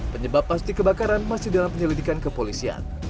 penyebab pasti kebakaran masih dalam penyelidikan kepolisian